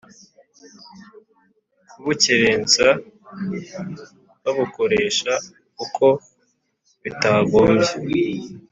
kubukerensa babukoresha uko bitagombye,